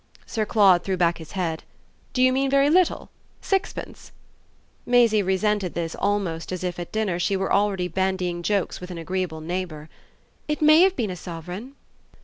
Sir Claude threw back his head. "Do you mean very little? Sixpence?" Maisie resented this almost as if, at dinner, she were already bandying jokes with an agreeable neighbour. "It may have been a sovereign."